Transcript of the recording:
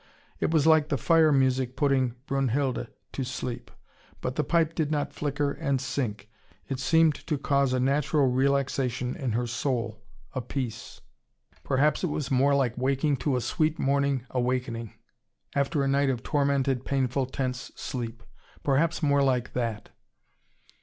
It was like the fire music putting Brunnhilde to sleep. But the pipe did not flicker and sink. It seemed to cause a natural relaxation in her soul, a peace. Perhaps it was more like waking to a sweet, morning awakening, after a night of tormented, painful tense sleep. Perhaps more like that.